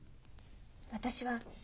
私は。